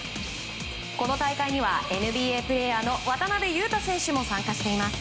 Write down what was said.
この大会にはＮＢＡプレーヤーの渡邊雄太選手も参加しています。